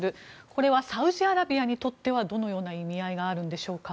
これはサウジアラビアにとってはどのような意味合いがあるんでしょうか。